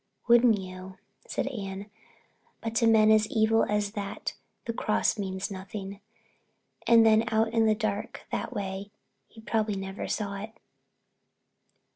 "Wouldn't you," said Anne, "but to men as evil as that the cross means nothing. And then out in the dark that way, he probably never saw it."